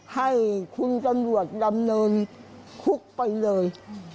ให้คุณตำรวจดำเนินคุกไปเลย